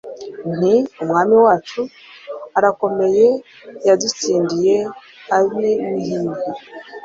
Nti: Umwami wacu arakomeyeYadutsindiye Ab'imihini